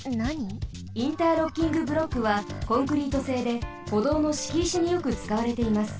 ロッキングブロックはコンクリートせいでほどうのしきいしによくつかわれています。